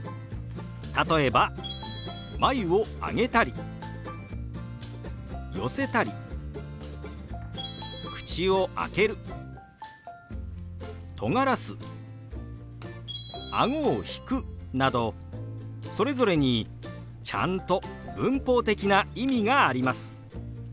例えば眉を上げたり寄せたり口を開けるとがらすあごを引くなどそれぞれにちゃんと文法的な意味があります。